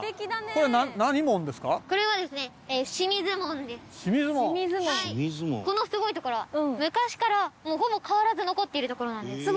ここのすごいところは昔からほぼ変わらず残っているところなんです。